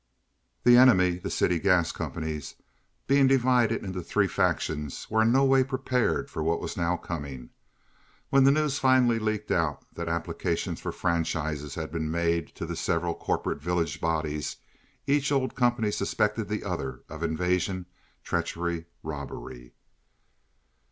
The enemy, the city gas companies, being divided into three factions, were in no way prepared for what was now coming. When the news finally leaked out that applications for franchises had been made to the several corporate village bodies each old company suspected the other of invasion, treachery, robbery.